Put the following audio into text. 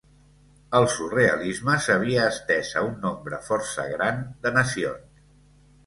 El surrealisme s'havia estès a un nombre força gran de nacions.